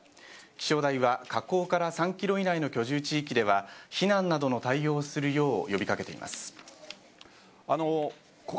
気象台は火口から３ｋｍ以内の居住地域では避難などの対応をするよう呼び掛けています。